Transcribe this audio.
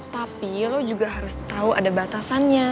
tapi lo juga harus tahu ada batasannya